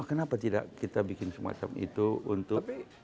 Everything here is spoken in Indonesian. kenapa tidak kita bikin semacam itu untuk